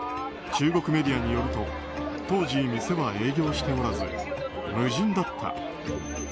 中国メディアによると当時店は営業しておらず無人だった。